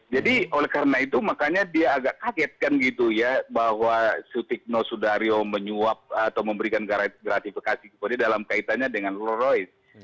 jadi oleh karena itu makanya dia agak kagetkan gitu ya bahwa sutikno sudaryo menyuap atau memberikan gratifikasi kepada dalam kaitannya dengan rolls royce